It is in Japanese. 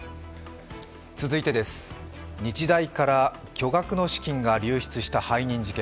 続いてです、日大から巨額の資金が流出した背任事件。